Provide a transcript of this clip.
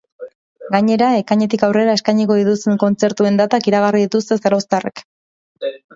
Gainera, ekainetik aurrera eskainiko dituzten kontzertuen datak iragarri dituzte zarauztarrek.